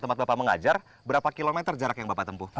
tempat bapak mengajar berapa kilometer jarak yang bapak tempuh